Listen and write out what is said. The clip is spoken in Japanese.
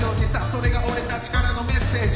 それが俺たちからのメッセージ